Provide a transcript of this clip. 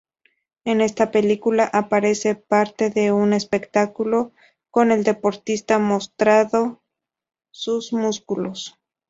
En esta película, aparece parte de un espectáculo con el deportista mostrando sus músculos.